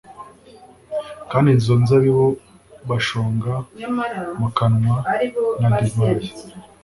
Kandi izo nzabibu Bashonga mu kanwa nka divayi